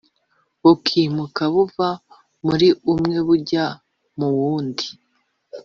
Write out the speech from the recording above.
bukimuka buva muri umwe bujya mu wundi